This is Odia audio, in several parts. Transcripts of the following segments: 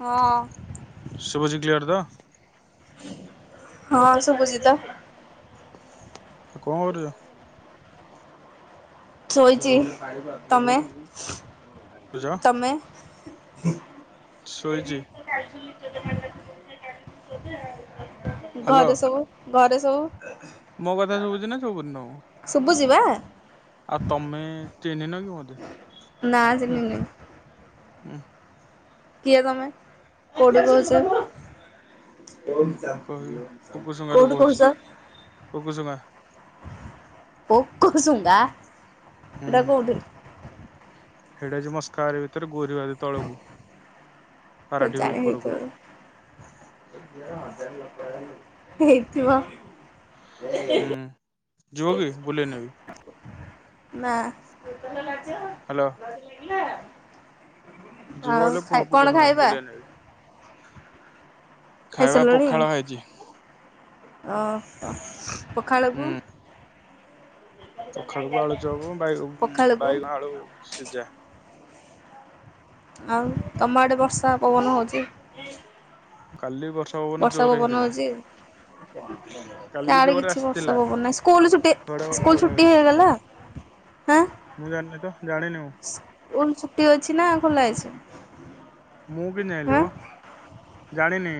ହଁ ଶୁଭୁଚି କ୍ଲିୟର୍ ତ? ହଁ ଶଭୁଚି ତ। ଆ କଣ କରୁଚ? ଶୋଇଚି। ତମେ କରୁଛ ତମେ? ଶୋଇଛି [unintelligible] ହ୍ୟାଲୋ ଘରେ ସବୁ ଘରେ ସବୁ ମୋ କଥା ଶୁଭୁଛି ନା ଶୁଭୁନି ତମକୁ? ବୁଝିବା? ଆଉ ତମେ ଚିହ୍ନିନ କି ମତେ ନା ହୁଁ। ଚିହ୍ନିନି ଉଁ। କିଏ ତମେ? କୋଉଠୁ କହୁଚ? କହିବ ପୋକୁସୁଙ୍ଗାରୁ କୋଉଠୁ କହୁଛି କହୁଛ? ପୋକୁସୁଙ୍ଗା ଓ କୋଉ ସୁଙ୍ଗା ଏଟା କୋଉଠି? ହେଡା ଯୋଉ ମସ୍କହାର ଭିତରେ ଗୋରି ବାରି ତଳକୁ ସେ ପାରାଢିବି ଜାଣି ହୋଇ ଉପରକୁ କର ହେଇଥିବ। ହୁଁ। ଯିବ କି ବୁଲେଇ ନେବି? ହ୍ୟାଲୋ ନା। ଯିବ ଆଉ ବୋଲି କୁହ ଖାଇ କଣ ପୋକଶୁଙ୍ଗା ଖାଇବା ବୁଲେଇ ନେବି? ଖାଇବା ଖାଇସାରିଲଣି ପଖାଳ ଖାଇଛି। ଓହୋ। ପଖାଳକୁ ହୁଁ ପଖାଳକୁ ଆଳୁଚପ, ପଖାଳକୁ ବାଇ-ବାଇଗଣ ଆଳୁ ସିଜା। ଆଉ ତମ ଆଡେ ବର୍ଷା ପବନ ହଉଛି? କାଲି ପବନ ବର୍ଷା ଜୋରେ ପବନ ହେଇଥିଲା ହଉଛି? କାଲି ତା ଆଡ଼େ ଜୋରେ କିଛି ବର୍ଷା ଆସିଥିଲା ପବନ ନାହିଁ। ସ୍କୁଲ ଛୁଟି ଘଡ଼ଘଡ଼ି ସ୍କୁଲ ଫଡ଼ଘଡ଼ି ଛୁଟି ହେଇଗଲା? ହ ମୁଁ ଜାଣିନି ତ? ଜାଣିନି ମୁଁ, ସ୍କୁଲ ଛୁଟି ଅଛି ନା ଖୋଲା ହେଇଛି? ମୁଁ କେମତି ଯାଇଁଲି ମ? ଜାଣିନି।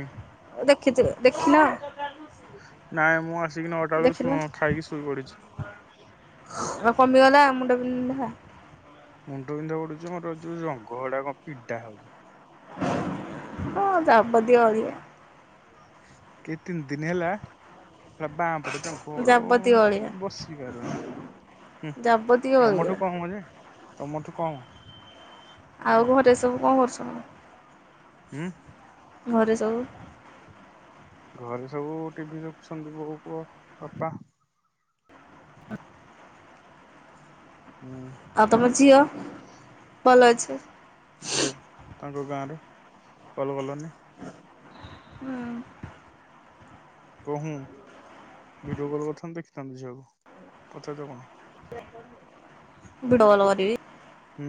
ଦେଖିଥିବେ, ଦେଖିନ? ନାଇଁ ମୁଁ ଆସିକି ନଅଟା ବେଳକୁ ଶୋ ଖାଇକି ଶୋଇପଡିଛି। ତୁମ କମିଗଲା ମୁଣ୍ଡ ବିନ୍ଧା? ମୁଣ୍ଡ ବିନ୍ଧା ପଡୁଛି, ମୋର ଯୋଉ ଜଙ୍ଘ ଗୁଡା କଣ ପିଡା ହଉଛି। ହଁ ଯାବତୀୟ ଅଳିଆ। କେ ତିନ ଦିନ ହେଲା ହେଳା ବାଁଆ ପଟ ଜଙ୍ଘ ଗୋଡ଼ ଯାବତୀୟ ଅଳିଆ ବସି ପାରୁନି? ହୁଁ ଯାବତୀୟ ଅଳିଆ ତମଠୁ କମ ଯେ ତମଠୁ କମ। ଆଉ ଘରେ ସବୁ କଣ କରୁଛନ୍ତି? ଉଁ? ଘରେ ସବୁ? ଘରେ ସବୁ ଟିଭି ଦେଖୁଛନ୍ତି। ବୋଉ, ପୁଅ, ବାପା ହ ହୁଁ ଆଉ ତମ ଝିଅ ଭଲ ଅଛି। ଝିଅକୁ ତାଙ୍କ ଗାଁରେ କଲ୍ କଲନି? ହୁଁ। କଣ ହୁଁ, ଭିଡିଓ କଲ କରିଥାନ୍ତ ଦେଖିଥାନ୍ତ ଝିିଅକୁ। ପଚାରୁଚ କଣ? ଭିଡ଼ିଓ କଲ୍ କରିବି? ହୁଁ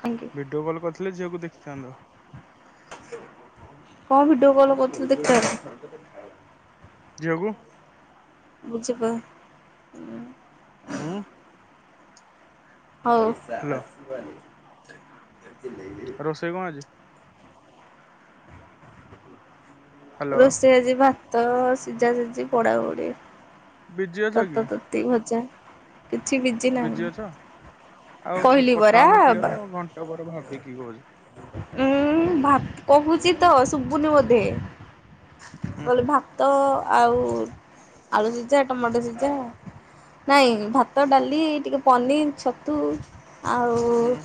କାହିଁକି ଭିଡିଓ କଲ୍ କରିଥିଲେ ଝିଅକୁ ଦେଖିଥାନ୍ତ। କଣ ଭିଡିଓ କଲ କରିଥିଲେ ଦେଖିଥାନ୍ତି? ଝିଅକୁ। ବୁଝିପାର ଉଁ ଉଁ? ହ୍ୟାଲୋ ହଉ। ରୋଷେଇ କଁ ହେଇଛି? ହ୍ୟାଲୋ ରୋଷେଇ ଆଜି ଭାତ ସିଝା ସିଝି ପୋଡାପୋଡି ବିଜି ଅଛ କି ତତା ତତି ଭଜା। କିଛି ବିଜି ନାହିଁ ଅଛ ଆଉ କଁ କହିଲି କଥା ପରା ହଉନ କ୍ଲିଅର ଆଉ ଘଣ୍ଟେ ପରେ ଭାବିକି କହୁଛ। ହୁଁ ଉୁଁ ଭାତ କହୁଛି ତ ସୁବୁନି ବୋଧେ। ହୁଁ କଲି ଭାତ ଆଉ ଆଳୁ ସିଝା ଟମାଟୋ ସିଝା। ନାଇଁ ଭାତ ଡାଲି ଟିକେ ପନିର ଛତୁ ଆଉ ହୁଁ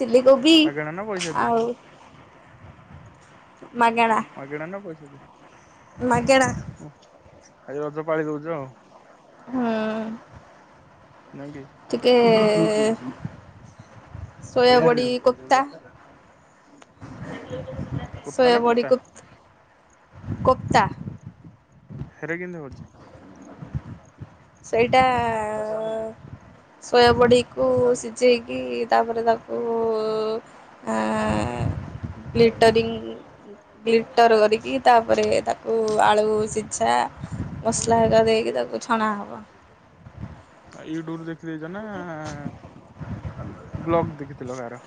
ଚିଲ୍ଲୀ କୋବି ମାଗଣା ନା ପଇସା ଦେ ଆଉ ମାଗେଣା ମାଗେଣା ନା ପଇସା ଦିଆ? ମାଗେଣା। ଉୁଁ ଆଜି ରଜ ପାଳି ଦଉଛ ଆଉ। ହୁଁ। ନାଇଁ କି ଟିକେ କେ ସୋୟାବଡ଼ି କୋପତା। ହୁଁ କୁର୍ତ୍ତା ନା ସୋୟାବଡ଼ି କୁର୍ତ୍ତା କୋପ କୋପତା। ହେରା କେନ୍ତି ହଉଛି? ସେଇଟା ସୋୟାବଡିକୁ ସିଝେଇକି ତାପରେ ତାକୁ ଆଁ ଗିଲ୍ ଟରିଙ୍ଗ୍ ଗିଲ୍ ଟର କରିକି ତାପରେ ତାକୁ ଆଳୁ ସିଝା ମସଲା ହେକା ଦେଇକି ତାକୁ ଛଣା ହବ। ୟୁଟ୍ୟୁବୁ ରୁ ଦେଖି ଦେଇଛ ନା ବ୍ଲଗ୍ ଦେଖିଥିଲ କାହାର?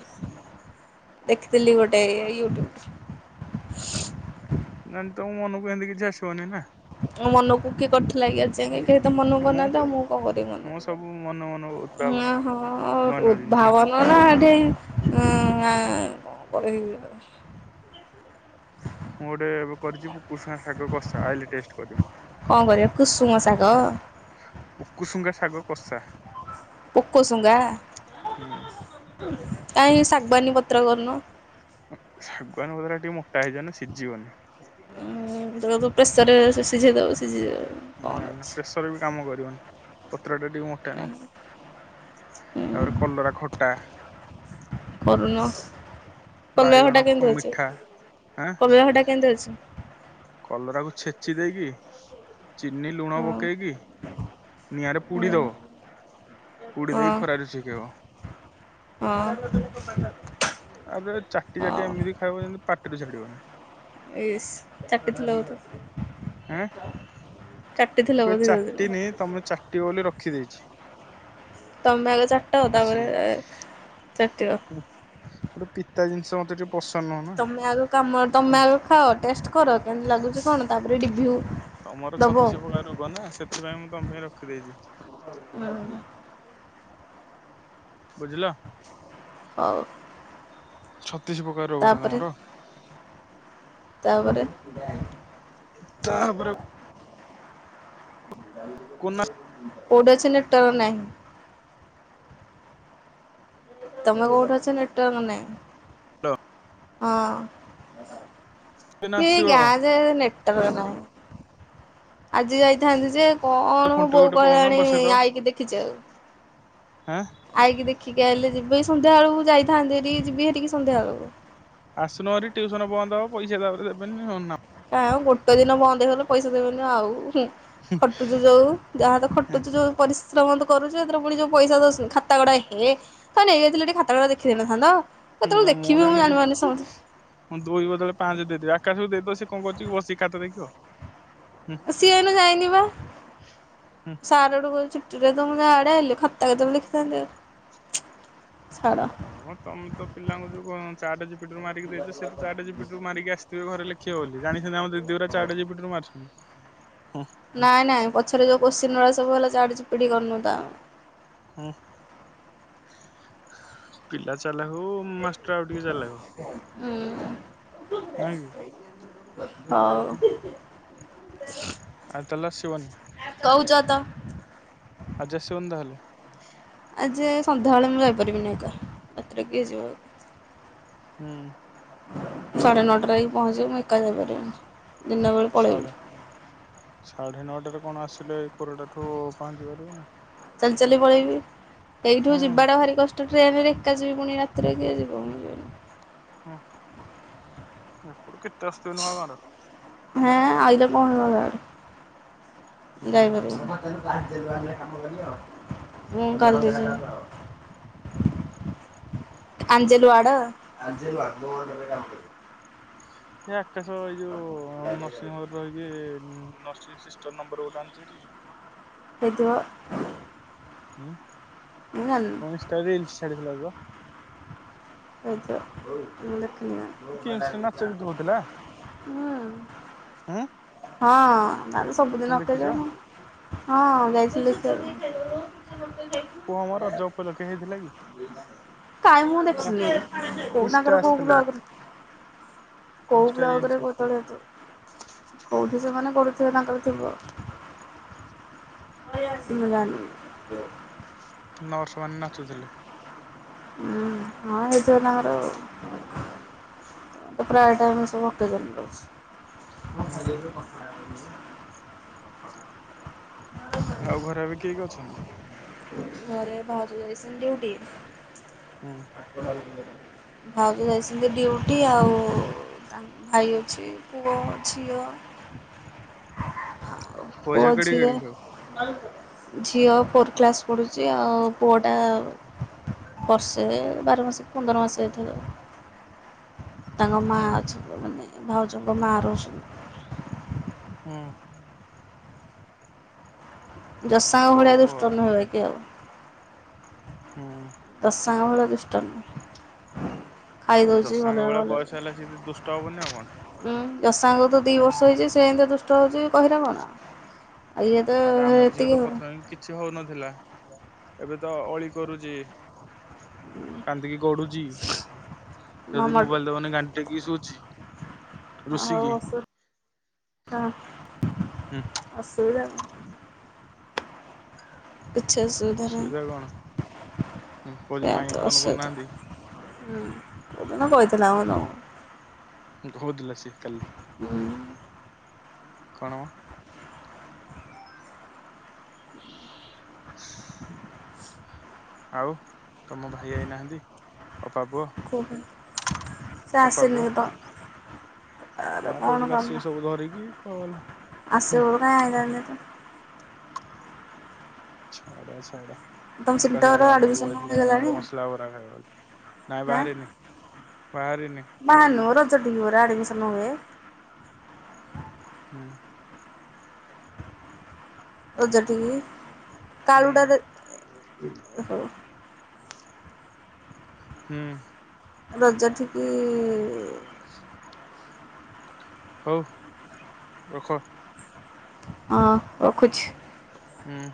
ଦେଖିଥିଲି ଗୋଟେ ଏଇ ୟୁଟ୍ୟୁବୁ ରୁ। ହୁଁ ନହେଲେ ତମ ମନକୁ ଏଁତି କିଛି ଆସିବନି ନା? ମନକୁ କିଏ କୋଠି ଲାଗିଛି କେହି ତ ମନୁକୁ କରୁନାହାଁନ୍ତି ତ ଆଉ ମୁଁ କଁ କରିବି ମୁଁ ସବୁ ମନ ମନ ମନୁକୁ। ଉଦ୍ଭାବନ ହ କରୁଛି। ହୁଁ ନୂଆ ହଁ ନୂଆ ଜିନିଷ ଉଦ୍ଭାବନ ନା ଇଠେଇଁ ହୁଁ ଉଁ ଆ କଁ ପରେ ହେଇଯିବ ତ? ମୁଁ ଗୋଟେ ଏବେ କରିଛି ମୁଁ କୋଶଳା ଶାଗ କଷା ଆଇଲେ ଟେଷ୍ଟ୍ କରିବ। କଣ କରିବା କୁସୁମ ଶାଗ ପୁକୁ ଶୁଙ୍ଗା ଶାଗ କଷା ପୋକ ଶୁଙ୍ଗା ହୁଁ କାହିଁକି ଶାଗୁଆନୀ ପତ୍ର କରୁନ। ଉୁଁ ଶାଗୁଆନ ପତ୍ରଟା ଟିକେ ମୋଟା ହେଇଯିବ ନା ସିଝିବନି। ଉୁଁ ତାକୁ ତ ପ୍ରେସରରେ ସିଝେଇ ଦବୁ ସିଝିଯିବ। ନାଁ ନାଁ ପ୍ରେସର ବି କାମ କରିବନି। ପତ୍ର ଟା ଟିକେ ମୋଟା ନା କାହିଁ ତାପରେ କଲରା ଖଟା। କରୁନ। କଲରା ବାଇଗଣ ଖଟା ଖ କେଁତି ହଉଛି ମିଠା ଆଁ କଲରା ଖଟା କେଁତି ହଉଛି? କଲରାକୁ ଛେଚି ଦେଇକି ଚିନି ଲୁଣ ହଁ ପକେଇକି ନିଆଁରେ ପୁଡି ହଁ ଦବ ପୁଡି ହଁ ଦେଇ ଖରାରେ ଶୁଖେଇବ। ହଁ। ଆଉ ତାପରେ ଚାଟି ଚାଟି ହଉ ଏମିତି ଖାଇବ ଯେମିତି ପାଟିରୁ ଛାଡିବନି। ଇସ୍ ଚାଟିିିଥିଲ ବୋଧେ? ଆଁ ମୁଁ ଚାଟିଥିଲ କେବେ ବୋଧେ ଯୋଉଦିନ ଚାଟିନି ତମେ ଚାଟିବ ବୋଲି ରଖିଦେଇଛି। ତମେ ଆଗ ଚାଟ ତାପରେ ଆସିଲେ ଏ ଚାଟିବ। ଗୋଟେ ପିତା ଜିନିଷ ମତେ ଟିକେ ପସନ୍ଦ ନୁହଁ ନା ତମେ ଆଗ କାମ ତମେ ଆଗ ଖାଅ ଟେଷ୍ଟ୍ କର କେମିତି ଲାଗୁଛି କଣ। ତାପରେ ରିଭ୍ୟୁ ତମର ଦବ ଛତିଶ ପ୍ରକାର ରୋଗ ନା ସେଥିପାଇଁ ମୁଁ ତମ ପାଇଁ ରଖିଦେଇଛି। ହୁଁ। ବୁଝିଲ? ହଉ। ଛତିଶ ପ୍ରକାର ରୋଗ ନା ତାପରେ ତମର। ତାପରେ ତାପରେ ଆଉ କୁନା କୋଉଟି ଅଛି ନେଟୱାର୍କ ନାହିଁ। ତମେ କୋଉଠି ଅଛ ନେଟୱାର୍କ ନାହିଁ। ହାଲୋ। ହଁ ଦିନ କି ଆସିବ ଗାଁ ଯେ ନେଟ ନେଟୱାର୍କ ନାହିଁ ଆଜି ଯାଇଥାନ୍ତି ଯେ କଣ ମୁଁ ଖୁଣ୍ଟି ବୋଉ ଗୋଟେ କହୁନ କହିଲାଣି ବସେଇଦବ ଆଇକି ଦେଖି ଯିବାକୁ। ହେଁ ଆଇକି ଦେଖିକି ଆଇଲେ ଯିବି ସନ୍ଧ୍ୟାଳକୁ ଯାଇଥାନ୍ତି [unintelligible] ଯିବି ହେଠିକି ସନ୍ଧ୍ୟାଳକୁ। ଆସୁନ ହେରି ଟ୍ୟୁସନ ବନ୍ଦ ହବ ପଇସା ତାପରେ ଦେବେନି ନାମ କାଇଁ ଗୋଟେ ଦିନ ବନ୍ଦ ହେଇଗଲେ ପଇସା ଦେବେନି ଆଉ। ହୁଁ ଖଟୁଛୁ ଯୋଉ ଯାହା ତ ଖଟୁଛୁ ଯୋଉ ପରିସ୍ ଶ୍ରମ କରୁଛି ଏଥିର ପୁଣି ଯୋଉ ପଇସା ଖାତା ଗୁଡା ଏ ହେଁ ନେଇଯାଇଥିଲେ ଟିକେ ଖାତା ଗୁଡା ଦେଖିଦେଇ ନଥାନ୍ତ। ହୁଁ ମୁଁ ଜାଣିନି ଯେ ଦୁଇ ବଦଳରେ ପାଞ୍ଚ ଦେଇଦେବି ଆକାଶକୁ ଦେଇ ସେ କଣ କରୁଛି କି ବସିକି ଖାତା ଦେଖିବ। ହୁଁ ସିଏ ଏଇନୁ ଯାଇନି ବା ହୁଁ। ସାରଡୁ କହୁଛି ଛୁଟିରେ ତ ମୁଁ ଗାଁ ଆଡ଼େ ଆଇଲି ଖାତା କେତେବେଳ ଦେଖିଥାନ୍ତି ଆଉ। ହଁ ତମେ ତ ପିଲାଙ୍କୁ ଯୋଉ ଉ ଚାଟା ଜିପିଟୁ ମାରିକି ଦେଇଛ ସେ ତ ଚାଟା ଜିପିଟୁ ମାରିକି ଆସିଥିବେ ଘରେ ଲେଖି ଲେଖିବେ ବୋଲି ଜାଣିଛନ୍ତି ଆମ ଦିଦିଗୁଡ଼ା ଚାଟ ଜିପିଟିରୁ ମାରୁଛ ନାଇଁ ନାଇଁ ପଛରେ ଯୋଉ କୋଶ୍ଚିନ ଗୁଡ଼ା ସବୁ ହେଲା ଚାଟ ଜିପିଟି ରୁ କରୁନୁ ତ ଆଉ। ହୁଁ ପିିଲ ଚା ପିଲା ହୁଁ ମାଷ୍ଟର ଆଉ ଟିକେ ଚାଲାଖ। ହୁଁ ନାକି। ହଉ। ଆଉ ତାଲେ ଆସିବନି। କହୁଛ ତ ଆଜି ଆସିବନି ତାହେଲେ। ଆଜି ସନ୍ଧ୍ୟାବେଳେ ମୁଁ ଯାଇପାରିବିିନି ଏକା ରାତିରେ କିଏ ଯିବ? ହୁଁ। ସାଢ଼େ ନଅଟାରେ ଯାଇକି ପହଞ୍ଚିବ ମୁଁ ଏକା ଯାଇ ପାରିବିନି। ସାଢ଼େ ସାଢ଼େ ନଅଟାରେ କଣ ଆସିଲେ ଏଇ କୋରଡାଠୁ ପହଞ୍ଚି ପାରିବୁନି? ଚାଲି ଚାଲି ପଳେଇବି ଏଇଠୁ ହୁଁ ଯିବାଟା ଭାରି କଷ୍ଟ। ଟ୍ରେନରେ ଏକା ଯିବି ପୁଣି ରାତିରେ କିଏ ଯିବ ମୁଁ ଯିବିନି। ହୁଁ ଏପଟୁ କେତେ ଆସୁଥିବେ ନୂଆଗାଁ ର? ହେଁ ଆଇଲେ କଣ ହୁଁ ହେଇ ଗଲା ଏଇଠୁ ଯାଇ ପାରିବିନି। ମୁଁ କାନ୍ଦୁଛି। ଅଞ୍ଜେଲେ ବାର୍ଡ। ସେ ଆକାଶ ଏଇ ଯୋଉ ନରସିଂହରରେ ରହିକି ନର୍ସିଂ ସିଷ୍ଟର ନମ୍ବର ଗୋଟେ ଆଣିଛି ହେରି ହେଇଥିବ। ମୁଁ ଜାଣିନି ହୁଁ ଇଂଷ୍ଟା ରିଲସ ଛାଡିଥିଲା ତ। ହେଇଥିବ ମୁଁ ଦେଖି ହୁଁ କି ଇନଷ୍ଟା ନାଚ ଗୀତ ହଉଥିଲା ହୁଁ। ହୁଁ ହଁ ଆମେ ତମେ ସବୁଦିନ ଦେଖିଛ ଅପେକ୍ଷା କ ହଁ ଯାଇଥିଲୁ ସେଆଡେ଼। କୁହମ ରଜ ଉପଲକ୍ଷେ ହେ। କାଇଁ ମୁଁ ନାଚ ଦେଖିନି, ଇନଷ୍ଟା କଉତାଙ୍କର କୋଉ ଆସିଥିଲା ଭଲ୍ଗ କୋଉ ଇନଷ୍ଟା ବ୍ଲକ ରିଲ୍ସ ରେ ଆସିଥିଲା କଦଳୀ ଆସେ? କୋଉଠି ସେମାନେ ପଢୁଥିବ ତାଙ୍କର ଥିବ। ମୁଁ ଜାଣିନି। ନର୍ସ ମାନେ ନାଚୁଥିଲେ। ହୁଁ, ହଁ ହେଇଥିବ ତାଙ୍କରଆଉ। ତାଙ୍କର ତ ପ୍ରାୟ ଟାଇମ୍ ସବୁ ଅକେଜନ୍ ରହୁଛି। ମୁଁ ହୁଁ ଖାଲି ଏବେ କଥା [unintelligible] ଆଉ ଘରେ ଏବେ କିଏ କିଏ ଅଛନ୍ତି? ଘରେ ଭାଉଜ ଯାଇସନ୍ତି ଡ଼ିଉଟି। ହୁଁ ଭାଉଜ ଯାଇସନ୍ତି ଡ଼ିଉଟି ଆଉ। ତା ଭାଇ ଅଛି, ପୁଅ, ଝିଅ ଆଉ ଝିଅ ପୁଅ କେଡିକି ଝିଏ। କେଡିକି ସବୁ? ଝିଅ ଫୋର୍ କ୍ଲାସ୍ ପଢ଼ୁଛି। ଆଉ ପୁଅଟା ବର୍ଷେ ବାର ମାସ ପନ୍ଦର ମାସ ହେଇଥିବ। ତାଙ୍କ ମା ହୁଁ ଅଛନ୍ତି, ମାନେ ଭାଉଜଙ୍କ ମା ରହୁସନ୍ତି। ହୁଁ। ଯଶାଙ୍କ ଭଳିଆ ହଉ ଦୁଷ୍ଟ ନୁହେଁ ଆଉ। ବାକି ଆଉ ଯଶାଙ୍କ ଭଳିଆ ଦୁଷ୍ଟ ନୁହଁ। ଖାଇଦଉଛି, ଜସାଙ୍କ ଭଲରେ ଭଳିଆ ଭଲରେ ବୟସ ହେଲା ସିଏ ଦୁଷ୍ଟ ହବନି ଆଉ କଣ। ଉୁଁ ଯଶାଙ୍କୁ ତ ଦି ବର୍ଷ ହେଇଛି। ସେ ଏମିତି ଦୁଷ୍ଟ ହଉଛି କହିରେ କଣ। ଆଉ ଇଏ ତ ଆରେ ଆମ ଝିଅ ଏତିକି ତ ଆଉ ପ୍ରଥମେ କିଛି ହଉନଥିଲା ଏବେ ତ ଅଳି କରୁଚି। କାନ୍ଦିକି ଗଢୁଛି। ଯଦି ମାମାଠୁ ମୁବାଇଲ୍ ଦବନି, ଗାଣ୍ଡି ଟେକିକି ସୁଉଚି। ଆ ହଉ ଅସୁ ହୁଁ ଅସୁବିଧା କଣ? କିଛି ଅସୁବିଧା ନାହିଁ। ହୁଁ କହୁଛି ସେଆ ମାଇଁ ତଁ ଫୋନ ଅସୁତୁ କରୁନାହାନ୍ତି ଉଁ କଉଁଦିନ କହିଥିଲା ମ ତମକୁ ଘଉ ଦିଲା ସେ କାଲି। କଣ ମ [unintelligible] ଆଉ ତମ ଭାଇ ଆଇନାହାଁନ୍ତି? କୁହ ସେ ଅପା ଆସେନି ପୁଅ। ତ। ତାର କଣ କହୁଥିଲା ସିଏ କାମ? ସବୁ ଧରିକି ଗଲା। ହୁଁ ଆସେ ପରା [unintelligible] ଝାଡା ଝାଡା। ତମ ଆକାଶ ସେଣ୍ଟର ଆଡେ ଅନେଇକି ଆଡ଼ମିସନ ବଇଥିଲା ହେଇଗଲାଣି ମସଲା ବରା ଖାଇବ ବଲି। ନାଇଁ ବାହାରିନି। ବାହାରିନି ବାହାରନୁ, ରଜଠିକି ପରା ଆଡ଼ମିସନ୍ ହୁଏ। ହୁଁ। ରଜ ଠିକି। ହୁଁ କାଳୁଟା ଦେ ହଉ ହୁଁ। ରଜ ଠିକି-ଇ-ଇ ହଉ ରଖ। ଅଁ ରଖୁଛି। ହୁଁ।